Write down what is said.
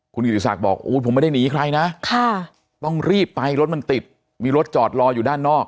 คุณกิติศักดิ์บอกผมไม่ได้หนีใครนะต้องรีบไปรถมันติดมีรถจอดรออยู่ด้านนอก